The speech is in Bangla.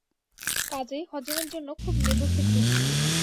কাজেই হজমের জন্য খুব নেবু খেতুম।